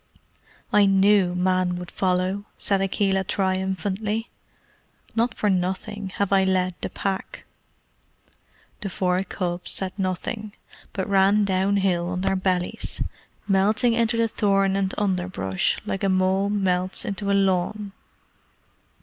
"I knew men would follow," said Akela triumphantly. "Not for nothing have I led the Pack." The four cubs said nothing, but ran down hill on their bellies, melting into the thorn and under brush as a mole melts into a lawn.